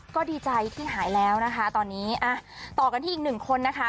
ก็ดีใจที่หายแล้วนะคะตอนนี้อ่ะต่อกันที่อีกหนึ่งคนนะคะ